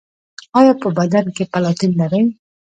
ایا په بدن کې پلاتین لرئ؟